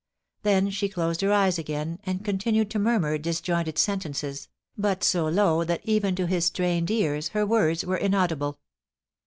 Then she closed her eyes again, and continued to murmur disjointed sentences, but so low that even to his strained ears her words were inaudible.